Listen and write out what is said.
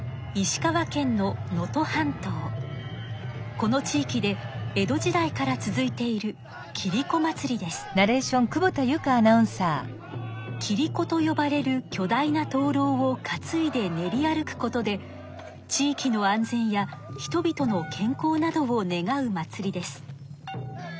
この地域で江戸時代から続いているキリコとよばれるきょ大なとうろうを担いで練り歩くことで地域の安全や人々の健康などを願う祭りです。